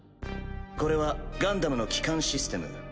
これはガンダムの基幹システム